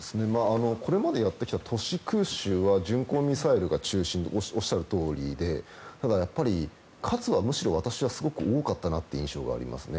これまでやってきた都市空襲は巡航ミサイルが中心なのはおっしゃるとおりでただ、むしろ数は多かったなという印象が私はありますね。